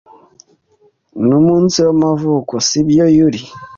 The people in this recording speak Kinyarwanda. Numunsi wamavuko, sibyo, Yuri?